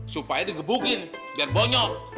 supaya digebukin biar bonyok